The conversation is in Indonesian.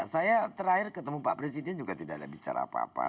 saya terakhir ketemu pak presiden juga tidak ada bicara apa apa